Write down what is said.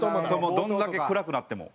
どんだけ暗くなっても。